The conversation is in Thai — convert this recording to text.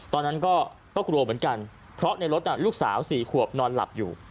ตอนนั้นก็กลัวเหมือนกันเพราะในรถลูกสาว๔ขวบนอนหลับอยู่